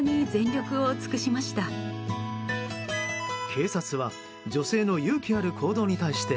警察は女性の勇気ある行動に対して